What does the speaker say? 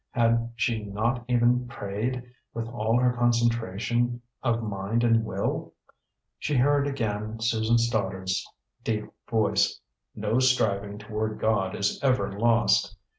Had she not even prayed, with all her concentration of mind and will? She heard again Susan Stoddard's deep voice: "No striving toward God is ever lost!"